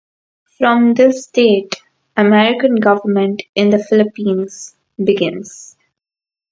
From this date, American government in the Philippines begins.